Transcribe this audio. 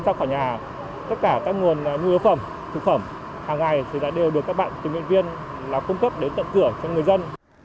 với cả các nhân dân công địa bàn